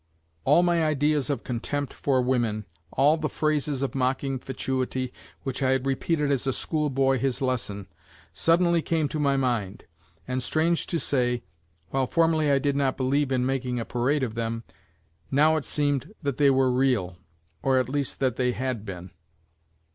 All my ideas of contempt for women, all the phrases of mocking fatuity which I had repeated as a schoolboy his lesson, suddenly came to my mind; and strange to say, while formerly I did not believe in making a parade of them, now it seemed that they were real or at least that they had been.